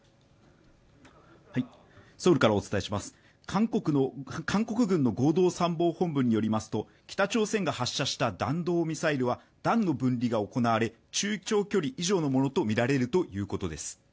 韓国軍の合同参謀本部によりますと、北朝鮮が発射した弾道ミサイルは段の分離が行われ、中長距離以上のものとみられるということです。